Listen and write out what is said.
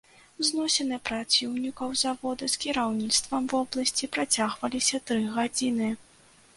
Зносіны праціўнікаў завода з кіраўніцтвам вобласці працягваліся тры гадзіны.